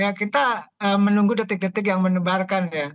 ya kita menunggu detik detik yang menebarkan ya